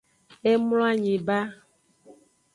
E mloanyi ba.